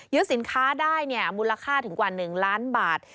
สินค้าได้มูลค่าถึงกว่า๑ล้านบาท